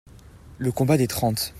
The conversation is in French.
le Combat des Trente.